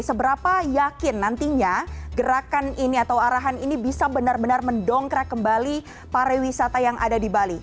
seberapa yakin nantinya gerakan ini atau arahan ini bisa benar benar mendongkrak kembali pariwisata yang ada di bali